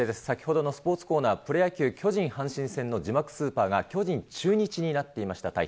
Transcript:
先ほどのスポーツコーナー、プロ野球、巨人・阪神戦の字幕スーパーが、巨人・中日になっていました。